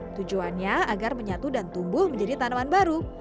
tujuannya agar menyatu dan tumbuh menjadi tanaman baru